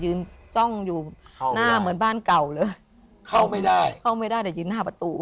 จ้องอยู่หน้าเหมือนบ้านเก่าเลยเข้าไม่ได้เข้าไม่ได้แต่ยืนห้าประตู